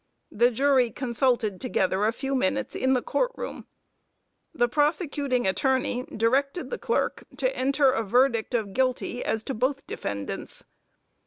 The jury consulted together a few minutes in the Court room. The prosecuting attorney directed the clerk to enter a verdict of guilty as to both defendants.